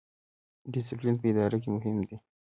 ډیسپلین په اداره کې مهم دی